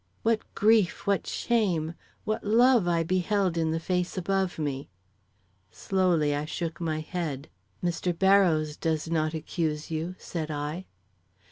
What grief, what shame, what love I beheld in the face above me. Slowly I shook my head. "Mr. Barrows does not accuse you," said I.